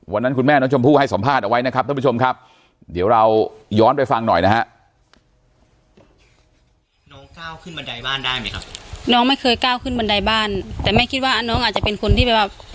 วันนั้นคุณแม่น้องชมพู่ให้สัมภาษณ์เอาไว้นะครับท่านผู้ชมครับเดี๋ยวเราย้อนไปฟังหน่อยนะฮะ